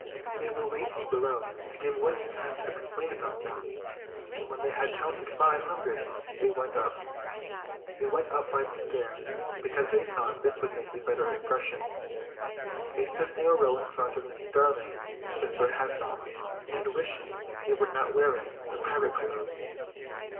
They were waiting below to give Wendy time to explain about them; and when they had counted five hundred they went up. They went up by the stair, because they thought this would make a better impression. They stood in a row in front of Mrs. Darling, with their hats off, and wishing they were not wearing their pirate clothes.